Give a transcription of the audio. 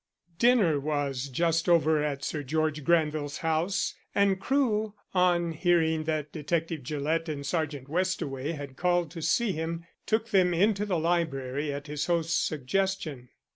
CHAPTER XX DINNER was just over at Sir George Granville's house, and Crewe, on hearing that Detective Gillett and Sergeant Westaway had called to see him, took them into the library at his host's suggestion.